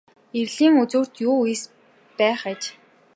Эрлийн үзүүрт юу эс байх аж.